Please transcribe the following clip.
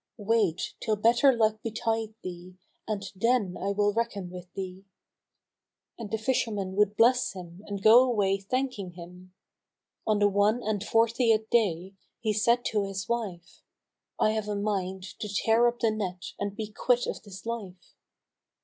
Wait till better luck betide thee, and then I will reckon with thee." And the fisherman would bless him and go away thanking him. On the one and fortieth day, he said to his wife, "I have a mind to tear up the net and be quit of this life."